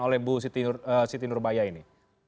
oleh bu siti nurbaya ini